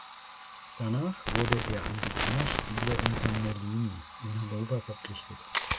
Danach wurde er an die „Kammerspiele unterm Mellini“ in Hannover verpflichtet.